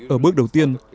ở bước đầu tiên